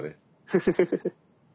フフフフフ。